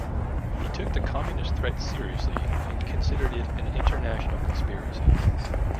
He took the communist threat seriously and considered it an international conspiracy.